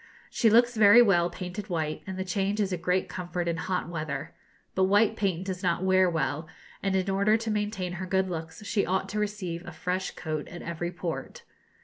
She looks very well painted white, and the change is a great comfort in hot weather; but white paint does not wear well, and in order to maintain her good looks she ought to receive a fresh coat at every port.